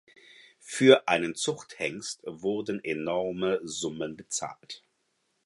Für einen Zuchthengst wurden enorme Summen gezahlt.